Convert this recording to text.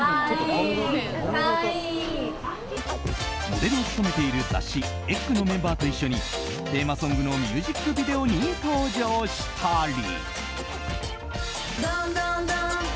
モデルを務めている雑誌「ｅｇｇ」のメンバーと一緒にテーマソングのミュージックビデオに登場したり。